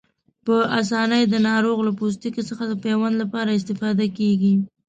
په آسانۍ د ناروغ له پوستکي څخه د پیوند لپاره استفاده کېږي.